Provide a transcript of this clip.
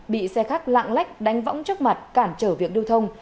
bị xe khách lạng lách đánh võng trước mặt cản trở việc đưa thông